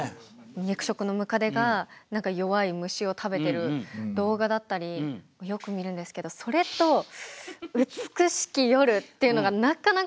肉食のムカデが弱い虫を食べてる動画だったりよく見るんですけどそれと「うつくしき夜」っていうのがなかなか。